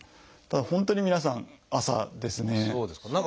ただ本当に皆さん朝ですね。